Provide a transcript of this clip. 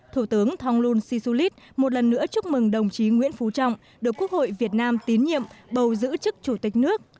thủ tướng thông luân si su lít một lần nữa chúc mừng đồng chí nguyễn phú trọng được quốc hội việt nam tín nhiệm bầu giữ chức chủ tịch nước